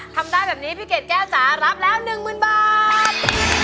ทำได้แบบนี้พี่เกดแก้วจ๋ารับแล้ว๑๐๐๐บาท